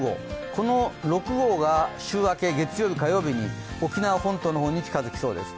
この６号が週明け月曜日、火曜日に沖縄本島の方に近づきそうです。